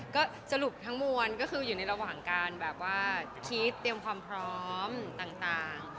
ก็สรุปทั้งมวลก็คืออยู่ในระหว่างการแบบว่าคิดเตรียมความพร้อมต่าง